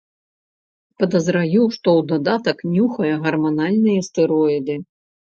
Падазраю, што ў дадатак нюхае гарманальныя стэроіды.